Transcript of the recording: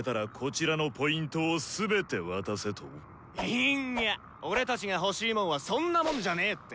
いや俺たちが欲しいもんはそんなもんじゃねぇって。